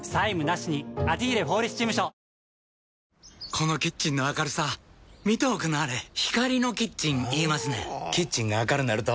このキッチンの明るさ見ておくんなはれ光のキッチン言いますねんほぉキッチンが明るなると・・・